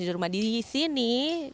di rumah di sini